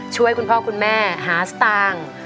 ช่วยคุณพ่อคุณแม่หาสตางค์